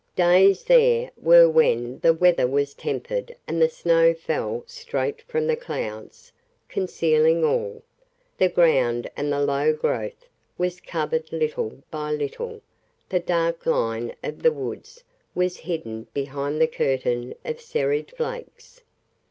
Days there were when the weather was tempered and the snow fell straight from the clouds, concealing all; the ground and the low growth was covered little by little, the dark line of the woods was hidden behind the curtain of serried flakes.